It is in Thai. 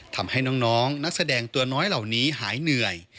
ทำให้น้องนักแสดงตัวน้อยเหล่านี้หายเหนื่อย